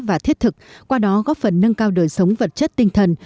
và thiết thực qua đó góp phần nâng cao đời sống vật chất tinh thần